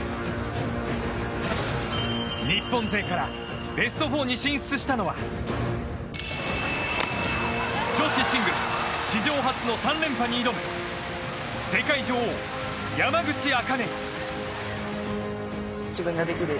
日本勢からベスト４に進出したのは女子シングルス史上初の３連覇に挑む世界女王・山口茜。